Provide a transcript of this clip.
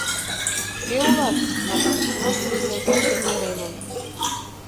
«Кӧ улат?» — ман, спецназ гыч пелтат гын неремым